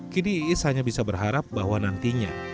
kini iis hanya bisa berharap bahwa nantinya